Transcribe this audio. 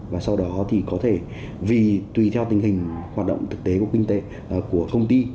và sau đó thì có thể vì tùy theo tình hình hoạt động thực tế của kinh tế của công ty